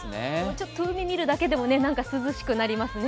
ちょっと海見るだけでも涼しくなりますね。